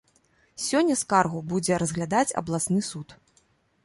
Сёння скаргу будзе разглядаць абласны суд.